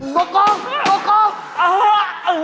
บอกกองบอกกอง